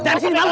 jari lu asing